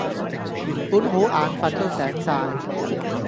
原本好眼瞓都醒晒